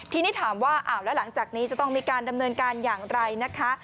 ทีนี้ถามว่าอ้าวแล้วหลังจากนี้จะต้องมีการดำเนินการอย่างไรนะคะ